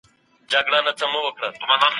که مادي امکانات وي نو ژوند خوندور وي.